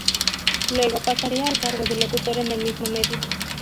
Luego pasaría al cargo de Locutor en el mismo medio.